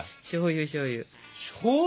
しょうゆしょうゆ。